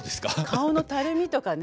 顔のたるみとかね